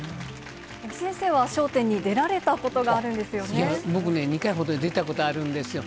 先生は笑点に出られたことが僕ね、２回ほど出たことがあるんですよ。